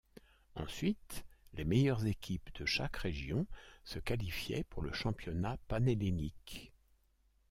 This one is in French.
Ensuite, les meilleures équipes de chaque région se qualifiaient pour le Championnat panhellénique.